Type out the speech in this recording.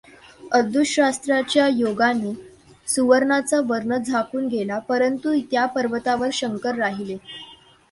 अदृश्यास्त्राच्या योगानें सुवर्णाचा वर्ण झांकून गेला; परंतु त्या पर्वतावर शंकर राहिले.